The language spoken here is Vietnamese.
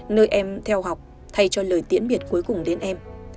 nơi em theo học thay cho lời tiễn biệt cuối cùng đến em